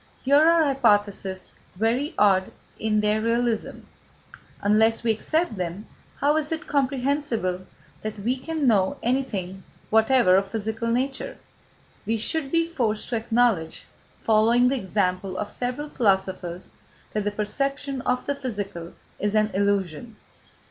Here are hypotheses very odd in their realism. Unless we accept them, how is it comprehensible that we can know anything whatever of physical nature? We should be forced to acknowledge, following the example of several philosophers, that the perception of the physical is an illusion.